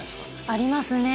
ありますね。